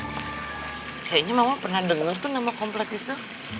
hmm kayaknya mama pernah denger tuh nama komplek itu